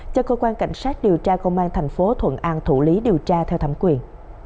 cho cơ quan cảnh sát điều tra công an tp thuận an thủ lý điều tra theo thẩm quyền